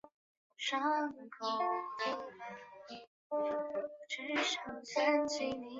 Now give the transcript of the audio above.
羽林军一是在天球赤道上的星座宝瓶座的一对联星。